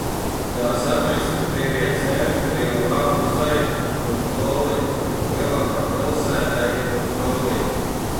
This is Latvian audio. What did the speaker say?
Tās administratīvie centri ir Lanuzei un Tortoli, bet lielākā pilsēta ir Tortoli.